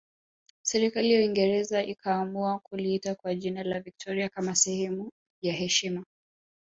Serikali ya Uingereza ikaamua kuliita kwa jina la Victoria kama sehemu ya heshima